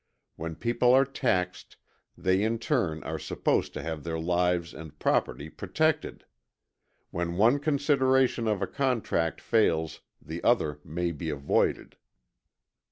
When people are taxed, they in turn are supposed to have their lives and property protected. When one consideration of a contract fails, the other may be avoided.